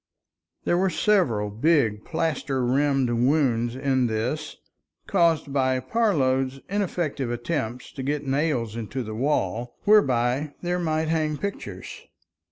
There were several big plaster rimmed wounds in this, caused by Parload's ineffectual attempts to get nails into the wall, whereby there might hang pictures.